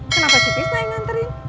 kenapa si pistai nganterin